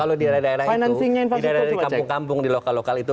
kalau di daerah daerah itu di daerah kampung kampung di lokal lokal itu